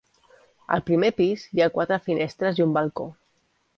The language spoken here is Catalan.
Al primer pis hi ha quatre finestres i un balcó.